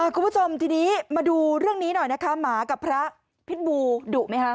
คุณผู้ชมทีนี้มาดูเรื่องนี้หน่อยนะคะหมากับพระพิษบูดุไหมคะ